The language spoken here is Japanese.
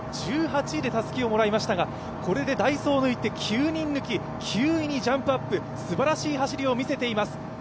１８位でたすきをもらいましたがこれでダイソーを抜いて９人抜き、９位にジャンプアップ、すばらしい走りを見せています。